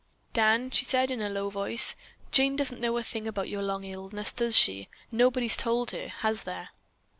"Dan," she said in a low voice, "Jane doesn't know a thing about your long illness, does she? Nobody's told her, has there?"